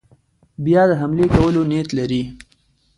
بیا د حملې کولو نیت لري.